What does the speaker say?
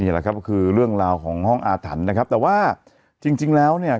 แหละครับก็คือเรื่องราวของห้องอาถรรพ์นะครับแต่ว่าจริงจริงแล้วเนี่ย